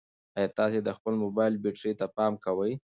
ایا تاسي د خپل موبایل بیټرۍ ته پام کوئ؟